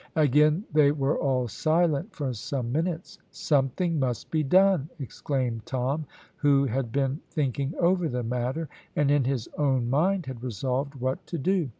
Again they were all silent for some minutes. "Something must be done!" exclaimed Tom, who had been thinking over the matter, and in his own mind had resolved what to do.